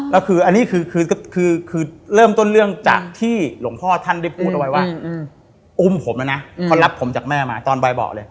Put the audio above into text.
แล้วคืออันนี้คือคือเริ่มต้นเรื่องจากที่หลวงพ่อท่านได้พูดเอาไว้ว่าอุ้มผมแล้วนะเขารับผมจากแม่มาตอนบ่ายบอกเลย